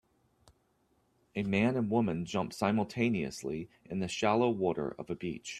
A man and woman jump simultaneously in the shallow water of a beach.